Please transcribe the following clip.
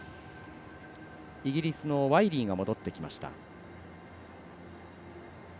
イギリスのワイリーが戻ってきました。